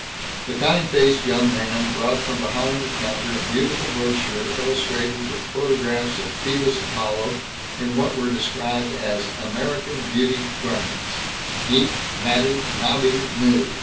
The kind faced young man brought from behind the counter a beautiful brochure illustrated with photographs of Phoebus Apollo in what were described as "American Beauty Garments neat, natty, nobby, new."